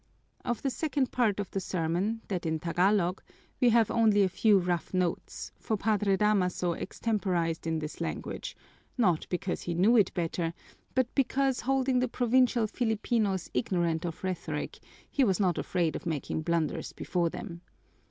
Of the second part of the sermon that in Tagalog we have only a few rough notes, for Padre Damaso extemporized in this language, not because he knew it better, but because, holding the provincial Filipinos ignorant of rhetoric, he was not afraid of making blunders before them.